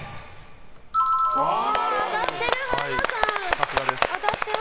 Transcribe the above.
当たってる、原田さん。